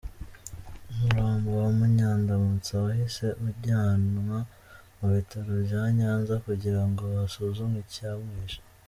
Umurambo wa Munyandamutsa wahise ujyanwa mu bitaro bya Nyanza kugira ngo hasuzumwe icyamwishe.